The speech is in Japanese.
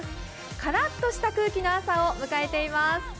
からっとした空気の朝を迎えています。